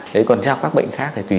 đấy còn các bệnh khác thì tùy